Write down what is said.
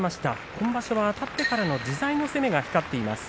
今場所はあたってからの自在の攻めが光ります。